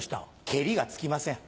ケリがつきません。